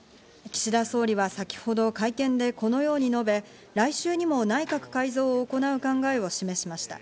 岸田総理は先ほど会見でこのように述べ、来週にも内閣改造を行う考えを示しました。